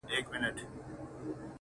هغه نجلۍ سندره نه غواړي!! سندري غواړي!!